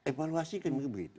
evaluasi kami begitu